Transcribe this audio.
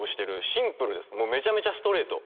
シンプルですめちゃめちゃストレート。